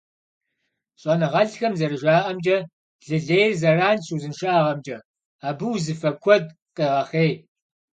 ЩӀэныгъэлӀхэм зэрыжаӀэмкӀэ, лы лейр зэранщ узыншагъэмкӀэ, абы узыфэ куэд къегъэхъей.